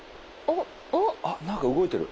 あ何か動いてる。